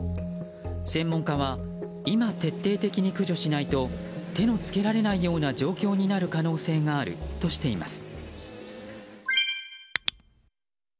専門家は今、徹底的に駆除しないと手の付けられないような状況になる可能性があるとしています。